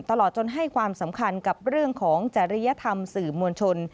ตลอดจนให้ความสำคัญกับเรื่องของจริยธรรมสื่อมวลชน